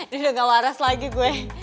dia udah gak waras lagi gue